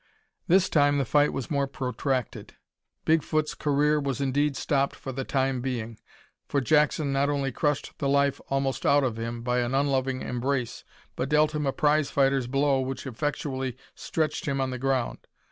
This time the fight was more protracted. Bigfoot's career was indeed stopped for the time being, for Jackson not only crushed the life almost out of him by an unloving embrace, but dealt him a prize fighter's blow which effectually stretched him on the ground.